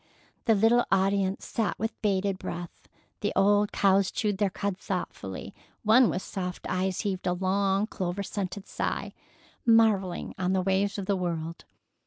The little audience sat with bated breath; the old cows chewed their cud thoughtfully, one with soft eyes heaved a long, clover scented sigh, marvelling on the ways of the world.